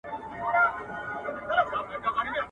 څو مکتبونه لا مدرسې وي !.